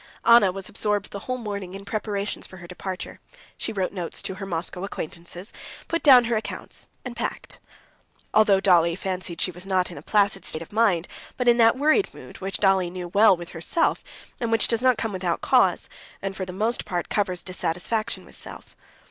Anna was absorbed the whole morning in preparations for her departure. She wrote notes to her Moscow acquaintances, put down her accounts, and packed. Altogether Dolly fancied she was not in a placid state of mind, but in that worried mood, which Dolly knew well with herself, and which does not come without cause, and for the most part covers dissatisfaction with self.